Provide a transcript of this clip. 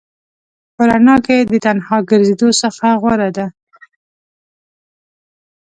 په رڼا کې د تنها ګرځېدلو څخه غوره ده.